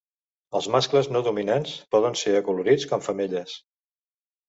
Els mascles no dominants poden ser acolorits com femelles.